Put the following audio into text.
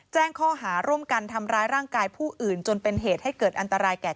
แจ้งข้อหาร่วมกันทำร้ายร่างกายผู้อื่นจนเป็นเหตุให้เกิดอันตรายแก่